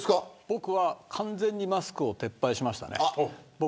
僕は完全にマスクを撤廃しました。